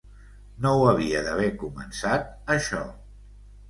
No ho havia d'haver començat, això.